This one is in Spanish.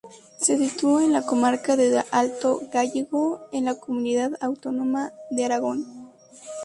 Se sitúa en la comarca del Alto Gállego, en la comunidad autónoma de Aragón.